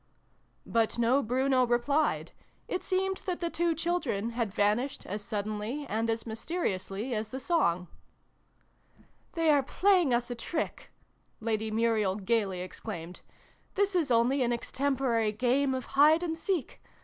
" But no Bruno replied : it seemed that the two children had vanished as suddenly, and as mysteriously, as the song. " They are playing us a trick !" Lady Muriel gaily exclaimed. " This is only an ex tempore game of Hide and Seek